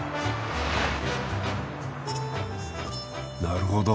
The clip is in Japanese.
なるほど。